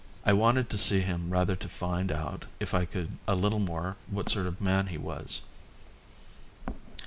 I wanted to see him rather to find out if I could a little more what sort of man he was.